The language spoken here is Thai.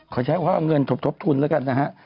ขอใช้ว่าเอาเงินทบทุนแล้วกันนะฮะ